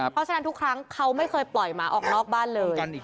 เพราะฉะนั้นทุกครั้งเขาไม่เคยปล่อยหมาออกนอกบ้านเลย